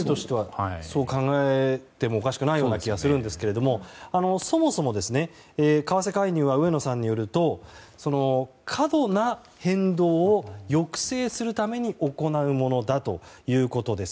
そう考えてもおかしくないと思うんですがそもそも為替介入は上野さんによると過度な変動を抑制するために行うものだということです。